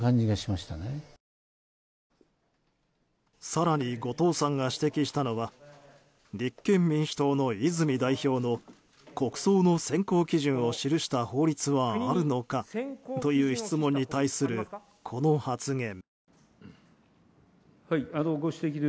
更に、後藤さんが指摘したのは立憲民主党の泉代表の国葬の選考基準を記した法律はあるのかという質問に対する、この発言。